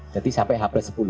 jadi sampai h sepuluh